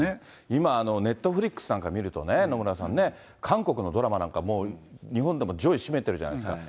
今、ネットフリックスなんか見るとね、野村さんね、韓国のドラマなんかもう日本でも上位占めてるじゃないですか。